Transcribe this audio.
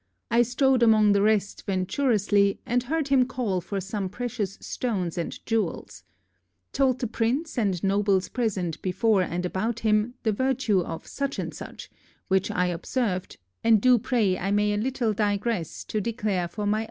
I strode emonge the rest venturously, and heard him call for som precious stones and jewells. Told the prince and nobles present before and aboute him the virtue of such and such, which I observed, and do pray I may a littell degress to declare for my own memorie sake.